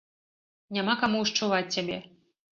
Няма каму ўшчуваць цябе!